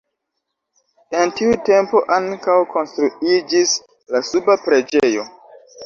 En tiu tempo ankaŭ konstruiĝis la suba preĝejo.